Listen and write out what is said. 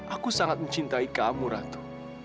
aku sangat mencintai kamu ratu